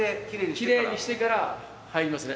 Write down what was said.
きれいにしてから入りますね。